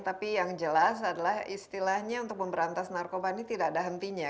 tapi yang jelas adalah istilahnya untuk memberantas narkoba ini tidak ada hentinya